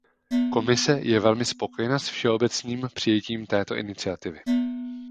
Komise je velmi spokojena s všeobecným přijetím této iniciativy.